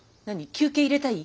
休憩入れたい？